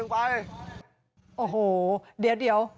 ก๋วววโอ้โหเดี๋ยว